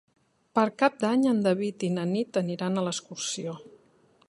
Per Cap d'Any en David i na Nit aniran d'excursió.